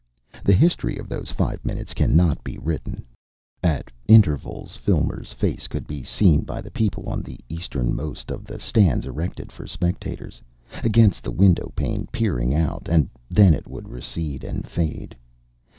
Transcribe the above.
The history of those five minutes cannot be written. At intervals Filmer's face could be seen by the people on the easternmost of the stands erected for spectators, against the window pane peering out, and then it would recede and fade.